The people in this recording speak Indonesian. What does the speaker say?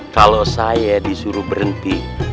kalau saya disuruh berhenti